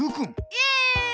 イエーイ！